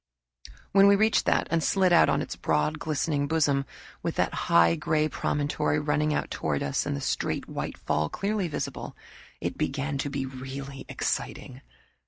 When we reached that and slid out on its broad glistening bosom, with that high gray promontory running out toward us, and the straight white fall clearly visible, it began to be really exciting.